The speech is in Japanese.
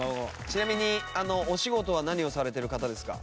ちなみにお仕事は何をされてる方ですか？